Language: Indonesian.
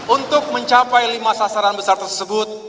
untuk mencapai lima sasaran besar tersebut